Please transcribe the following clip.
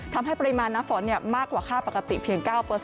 ทำให้ปริมาณน้ำฝนมากกว่าค่าปกติเพียง๙